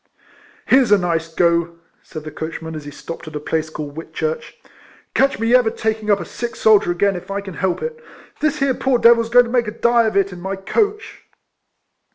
" Here 's a nice go," said the coachman, as he stopped at a place called Whitchurch, " catch me ever taking up a sick soldier again if I can help it. This here poor devil 's going to make a die of it in my coach."